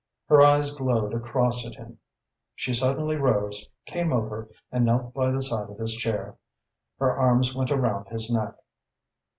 Her eyes glowed across at him. She suddenly rose, came over and knelt by the side of his chair. Her arms went around his neck.